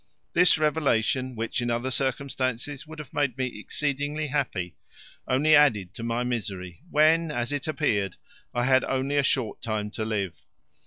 This revelation, which in other circumstances would have made me exceedingly happy, only added to my misery when, as it appeared, I had only a short time to live.